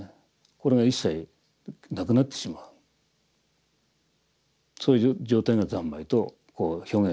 これが一切なくなってしまうそういう状態が三昧と表現されます。